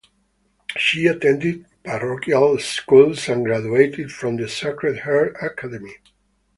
She attended parochial schools and graduated from the Sacred Heart Academy.